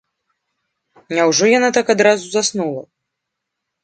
Няўжо яна так адразу заснула?!